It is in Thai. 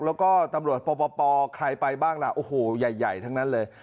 แล้วก็ตำรวจปปใครไปบ้างล่ะโอ้โหใหญ่ทั้งนั้นเลย